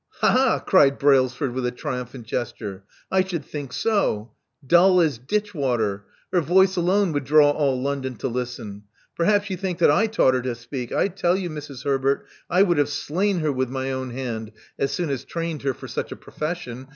*'HaI ha I" cried Brailsford, with a triumphant gesture: '*I should think so. Dull as ditch water. Her voice alone would draw all London to listen. Perhaps you think that I taught her to speak. I tell you, Mrs. Herbert, I would have slain her with my own hand as soon as trained her for such a profession.